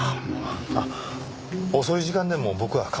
あっ遅い時間でも僕は構いませんので。